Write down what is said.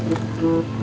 saya sudah berhenti